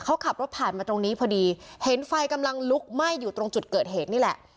เขาขับรถผ่านมาตรงนี้พอดีเห็นไฟกำลังลุกไหม้อยู่ตรงจุดเกิดเหตุนี่แหละ